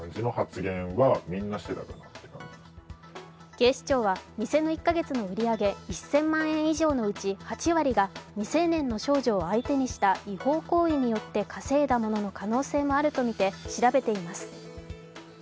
警視庁は、店の１か月の売り上げ、１０００万円以上のうち８割が未成年の少女を相手にした違法行為によって稼いだものである可能性もあるとみて調べています。